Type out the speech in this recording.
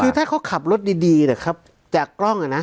คือถ้าเขาขับรถดีนะครับจากกล้องอ่ะนะ